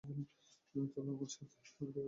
চলো আমার সাথে এসো, আমি দেখাচ্ছি।